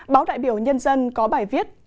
báo đại biểu nhân dân có bài viết